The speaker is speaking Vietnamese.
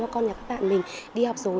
còn con nhà các bạn mình đi học rồi